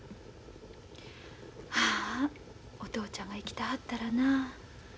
はぁお父ちゃんが生きてはったらなあ。